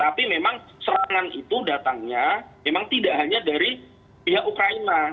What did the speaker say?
tapi memang serangan itu datangnya memang tidak hanya dari pihak ukraina